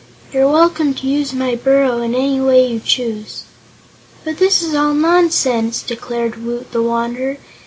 You're welcome to use my burrow in any way you choose." "But this is all nonsense!" declared Woot the Wanderer.